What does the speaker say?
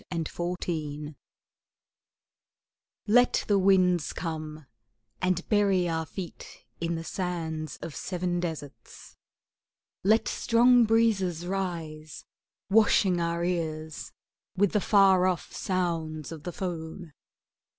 PRAYERS FOR WIND Let the winds come, And bury our feet in the sands of seven deserts; Let strong breezes rise, Washing our ears with the far off sounds of the foam.